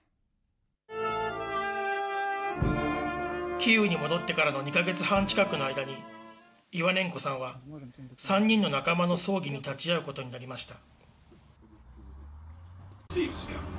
キーウに戻ってからの２か月半近くの間に、イワネンコさんは３人の仲間の葬儀に立ち会うことになりました。